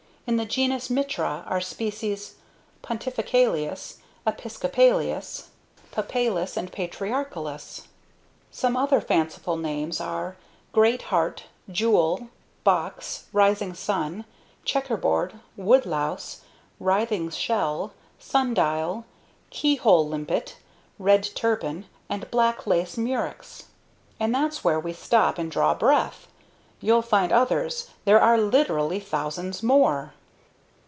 In the genus MITRA are species PONTIFICALIS, EPISCOPALIS, PAPALIS, and PATRIARCHALIS. Some other fanciful names are: Great Heart, Jewel, Box, Rising Sun, Checkerboard, Wood Louse, Writhing Shell, Sundial, Key Hole Limpet, Red Turban, and Black Lace Murex. And that's where we stop and draw breath. You'll find others there are literally thousands more!